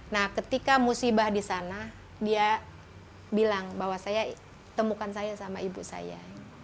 nah ketika musibah di sana dia bilang bahwa saya temukan saya sama ibu saya